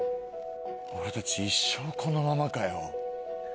俺たち一生このままかよ。